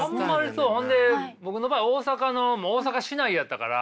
そんで僕の場合大阪の大阪市内やったから。